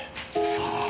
さあ。